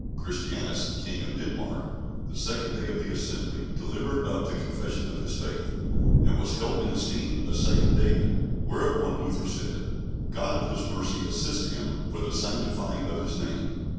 Christianus, King of Denmark, the second day of the assembly, delivered up the Confession of his Faith, and was held and esteemed a second David. Whereupon Luther said, God of his mercy assist him for the sanctifying of his name.